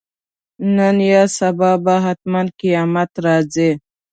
نن یا سبا به حتماً قیامت راځي.